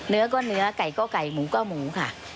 เนื้อก็เนื้อไก่ก็ไก่หมูก็หมูค่ะ